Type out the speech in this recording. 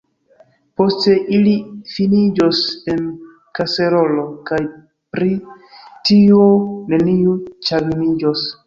Poste ili finiĝos en kaserolo, kaj pri tio neniu ĉagreniĝos.